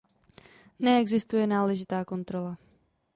Neexistuje náležitá kontrola.